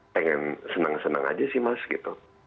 pengen seneng seneng aja sih mas gitu